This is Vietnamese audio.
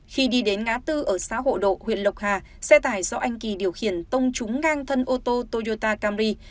khi đi đến ngã tư ở xã hộ độ huyện lộc hà xe tải do anh kỳ điều khiển tông trúng ngang thân ô tô toyota camry